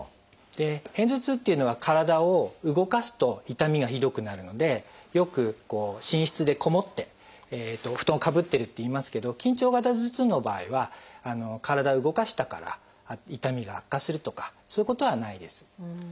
片頭痛っていうのは体を動かすと痛みがひどくなるのでよく寝室でこもってお布団をかぶってるっていいますけど緊張型頭痛の場合は体動かしたから痛みが悪化するとかそういうことはないです。